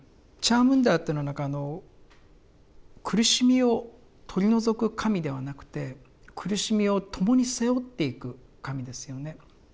チャームンダーっていうのは苦しみを取り除く神ではなくて苦しみを共に背負っていく神ですよね。